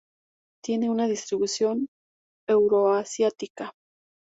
Tiene una distribución euroasiática.